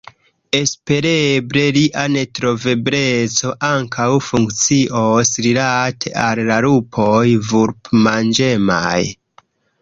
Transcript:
Espereble, ria netrovebleco ankaŭ funkcios rilate al la lupoj vulpmanĝemaj.